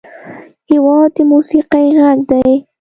هېواد د موسیقۍ غږ دی.